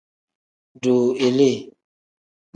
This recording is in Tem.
Duu ilii.